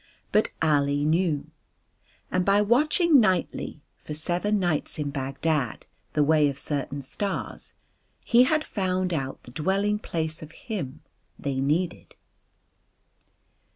But Ali knew. And by watching nightly, for seven nights in Bagdad, the way of certain stars he had found out the dwelling place of Him they Needed.